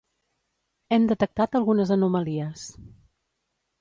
Hem detectat algunes anomalies.